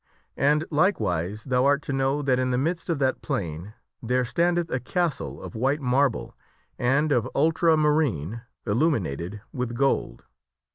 And likewise thou art to know that in the midst of that plain there standeth a castle of white marble and of ultramarine illuminated with gold.